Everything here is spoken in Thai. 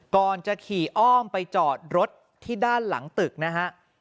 ก่อนจะขี่อ้อมไปจอดรถที่ด้านหลังตึกนะฮะ